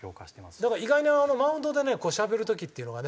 だから意外にマウンドでねしゃべる時っていうのはね